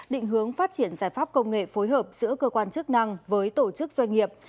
định hướng phát triển giải pháp công nghệ phối hợp giữa cơ quan chức năng với tổ chức doanh nghiệp